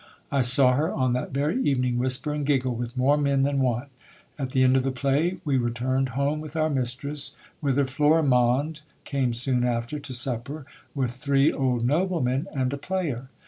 I saw her, on that very evening, whisper and giggle with more men than one. At the end of the play we returned home with our mistress, whither Florimonde came soon after to supper, with three old noblemen and a player.